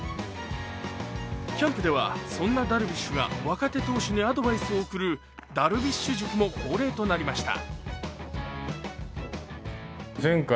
キャンプではそんなダルビッシュが若手投手にアドバイスを送るダルビッシュ塾も恒例となりました。